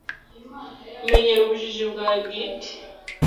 menyera ubujiji bwawe bwite